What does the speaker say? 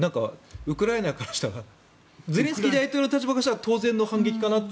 ウクライナからしたらゼレンスキー大統領の立場からしたら当然の反撃かなと。